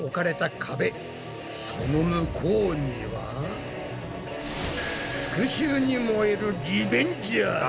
その向こうには復しゅうに燃えるリベンジャーズ。